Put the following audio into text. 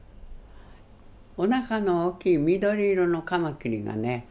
おなかの大きい緑色のカマキリがね